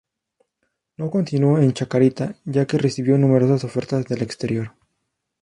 No continuó en Chacarita, ya que recibió numerosas ofertas del exterior.